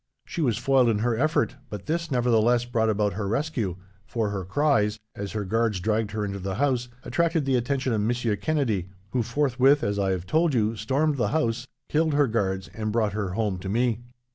She was foiled in her effort, but this, nevertheless, brought about her rescue, for her cries, as her guards dragged her into the house, attracted the attention of Monsieur Kennedy, who forthwith, as I have told you, stormed the house, killed her guards, and brought her home to me.'